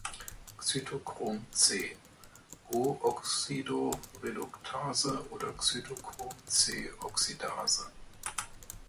Cytochrom "c": O-Oxidoreduktase oder Cytochrom-c-Oxidase.